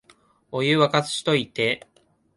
お湯、沸かしといて